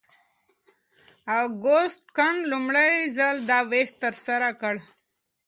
اګوست کنت لومړی ځل دا ویش ترسره کړ.